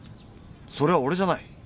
それは俺じゃない。